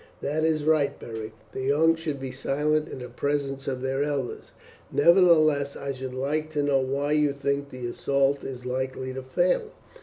"That is right, Beric; the young should be silent in the presence of their elders; nevertheless I should like to know why you think the assault is likely to fail."